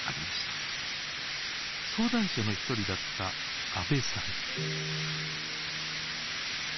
相談者の一人だった阿部さん。